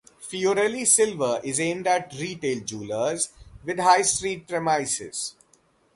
Fiorelli Silver is aimed at retail jewellers with high street premises.